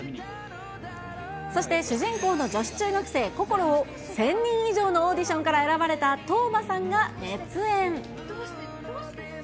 そして主人公の女子中学生、こころを１０００人以上のオーディションから選ばれた、當真さんが熱演。